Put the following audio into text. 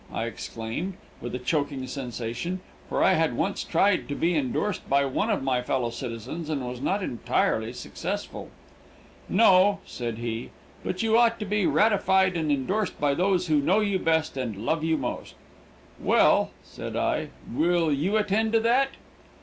I exclaimed, with a choking sensation, for I had once tried to be indorsed by one of my fellow citizens and was not entirely successful. "No," said he, "but you ought to be ratified and indorsed by those who know you best and love you most." "Well," said I, "will you attend to that?"